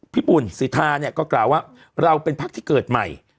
ปุ่นสิทธาเนี่ยก็กล่าวว่าเราเป็นพักที่เกิดใหม่